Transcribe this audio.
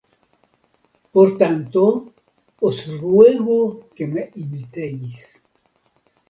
Por tanto, os ruego que me imitéis.